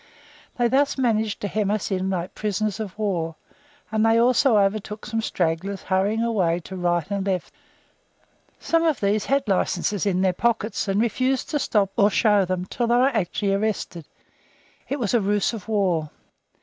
They thus managed to hem us in like prisoners of war, and they also overtook some stragglers hurrying away to right and left. Some of these had licenses in their pockets, and refused to stop or show them until they were actually arrested. It was a ruse of war.